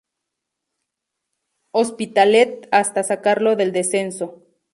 Hospitalet hasta sacarlo del descenso.